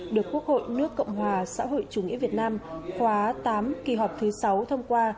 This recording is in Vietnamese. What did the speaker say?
được quốc hội nước cộng hòa xã hội chủ nghĩa việt nam khóa tám kỳ họp thứ sáu thông qua